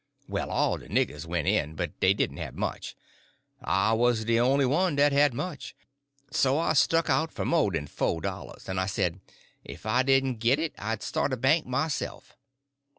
Well, all de niggers went in, but dey didn't have much. I wuz de on'y one dat had much. So I stuck out for mo' dan fo' dollars, en I said 'f I didn' git it I'd start a bank mysef.